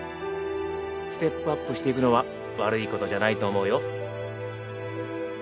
ステップアップしていくのは悪いことじゃないと思うよ。